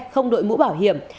không đội mũ bảo hiểm